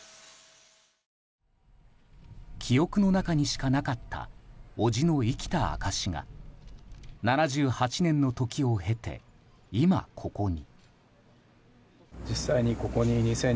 記憶の中にしかなかった叔父の生きた証しが７８年の時を経て、今ここに。